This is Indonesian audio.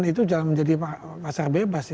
itu menjadi pasar bebas